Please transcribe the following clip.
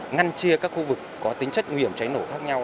ngăn chia các khu vực có tính chất nguy hiểm cháy nổ khác nhau